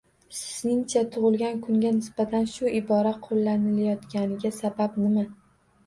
Sizningcha, tugʻilgan kunga nisbatan shu ibora qoʻllanayotganiga sabab nima